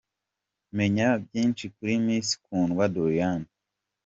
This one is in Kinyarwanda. Menya byinshi kuri Miss Kundwa Doriane.